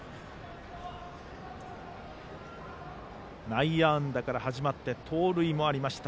内野安打から始まって盗塁もありました。